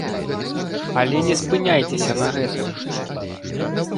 Але не спыняйцеся на гэтым!